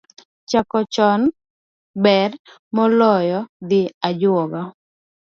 Chako Chon ber, noloyo dhi ajuoga